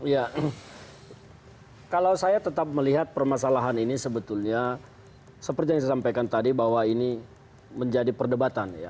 ya kalau saya tetap melihat permasalahan ini sebetulnya seperti yang saya sampaikan tadi bahwa ini menjadi perdebatan ya